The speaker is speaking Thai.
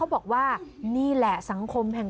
ใครออกแบบห้องน้ำวะ